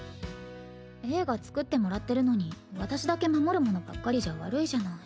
映画作ってもらってるのに私だけ守るものばっかりじゃ悪いじゃない。